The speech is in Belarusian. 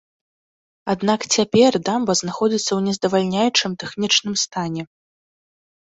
Аднак цяпер дамба знаходзіцца ў нездавальняючым тэхнічным стане.